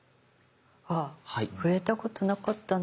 ああ触れたことなかったんだけど。